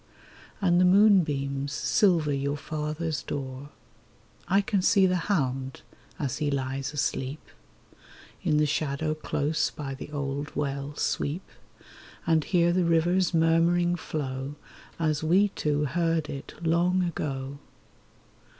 And the moonbeams silver your father's door. I can see the hound as he lies asleep. In the shadow close by the old well sweep, And hear the river's murmuring flow As we two heard it long ago.